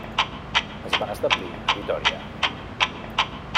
Es van establir a Vitòria.